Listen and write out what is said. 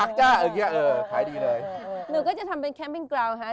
ถ้ามีคนอยากให้เช็กเป้นทำงานอ่ะ